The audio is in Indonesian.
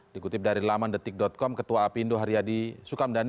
dikutip dari laman detik com ketua apindo haryadi sukamdhani